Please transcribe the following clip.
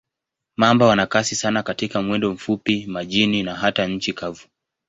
Mamba wana kasi sana katika mwendo mfupi, majini na hata nchi kavu.